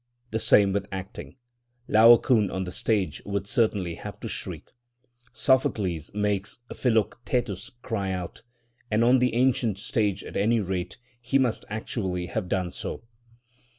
The same with acting; Laocoon on the stage would certainly have to shriek. Sophocles makes Philoctetus cry out, and, on the ancient stage at any rate, he must actually have done so.